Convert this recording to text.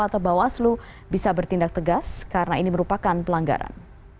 atau bawaslu bisa bertindak tegas karena ini merupakan pelanggaran